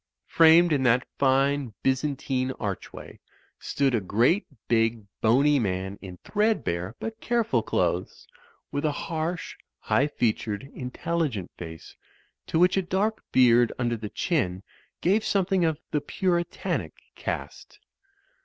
Framed in that fine Byzantine archway stood a great big, boney man in threadbare but careful clothes, with a harsh, high featured, intelligent face, to which a dark beard under the chin gave something of the Puritanic cast.